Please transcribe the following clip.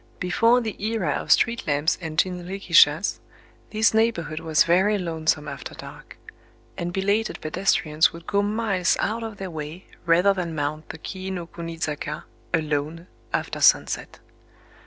Before the era of street lamps and jinrikishas, this neighborhood was very lonesome after dark; and belated pedestrians would go miles out of their way rather than mount the Kii no kuni zaka, alone, after sunset.